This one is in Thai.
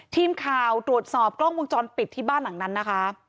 ทีมข่าวตรวจสอบกล้องวงจรปิดที่บ้านหลังนั้นนะคะ